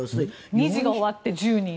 ２次が終わって１０人。